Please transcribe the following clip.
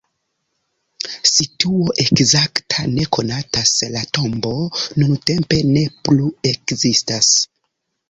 Situo ekzakta ne konatas, la tombo nuntempe ne plu ekzistas.